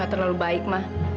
gak terlalu baik ma